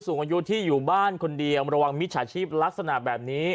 สูงอายุที่อยู่บ้านคนเดียวระวังมิจฉาชีพลักษณะแบบนี้